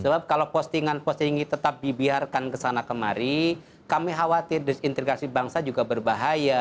sebab kalau postingan posting ini tetap dibiarkan kesana kemari kami khawatir disintegrasi bangsa juga berbahaya